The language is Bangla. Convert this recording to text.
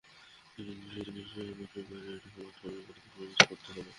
কিন্তু সেই জিনিসটাকে মাঠের বাইরে রেখে মাঠে আমাদের পারফর্ম করতে হবে।